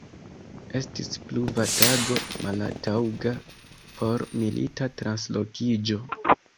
Estis pluva tago, maltaŭga por milita translokiĝo.